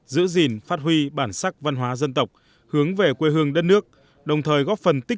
giữ gìn phát huy bản sắc văn hóa dân tộc hướng về quê hương đất nước đồng thời góp phần tích